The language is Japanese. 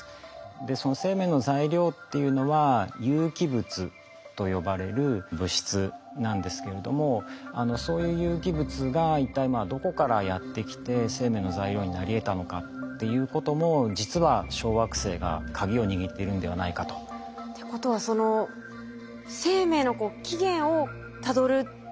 その生命の材料っていうのは有機物と呼ばれる物質なんですけれどもそういう有機物が一体どこからやって来て生命の材料になりえたのかっていうことも実は小惑星が鍵を握っているんではないかと。ってことはそのそうですね